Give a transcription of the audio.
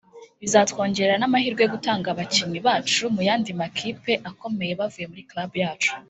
Bizatwongerera n’amahirwe yo gutanga bakinnyi bacu mu yandi makipe akomeye bavuye muri club yacu